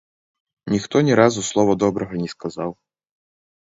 Ніхто ні разу слова добрага не сказаў.